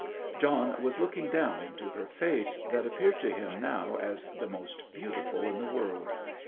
John was looking down into her face, that appeared to him now as the most beautiful in the world.